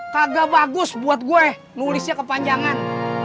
kagak bagus buat gue nulisnya kepanjangan